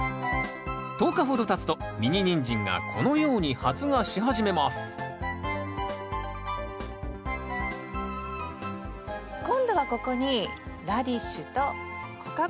１０日ほどたつとミニニンジンがこのように発芽し始めます今度はここにラディッシュと小カブのタネをまきます。